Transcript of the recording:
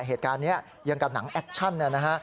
เหตุการณ์นี้ยังกับหนังแอคชั่นนะฮะ